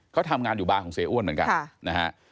เขาทำงานอยู่บาร์ของเสียอ้วนเหมือนกันนะฮะ